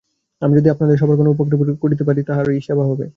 আমি যদি আপনাদের সভার কোনো উপকার করতে পারি তাতে তাঁরই সেবা হবে।